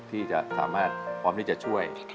ที่จะสามารถพร้อมที่จะช่วย